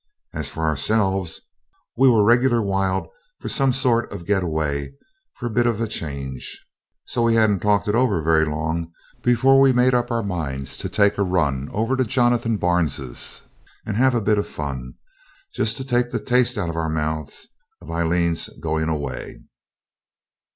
As for ourselves, we were regular wild for some sort of get away for a bit of a change; so we hadn't talked it over very long before we made up our minds to take a run over to Jonathan Barnes's and have a bit of fun, just to take the taste out of our mouths of Aileen's going away.